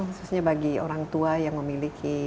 khususnya bagi orang tua yang memiliki